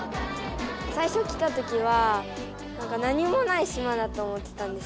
最初来たときは何もない島だと思ってたんです。